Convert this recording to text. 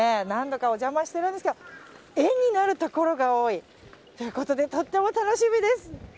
何度かお邪魔してるんですけど絵になるところが多いということで、とても楽しみです。